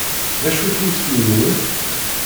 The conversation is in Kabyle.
D acu-t yiswi-nwen?